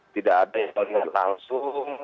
tidak ada yang langsung